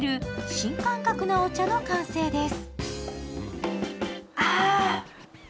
新感覚なお茶の完成です。